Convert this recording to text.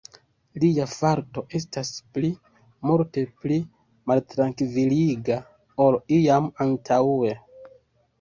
Lia farto estas pli, multe pli maltrankviliga, ol iam antaŭe.